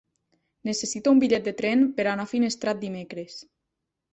Necessito un bitllet de tren per anar a Finestrat dimecres.